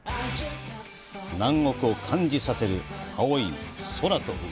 南国を感じさせる青い空と海！